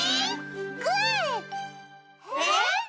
えっ？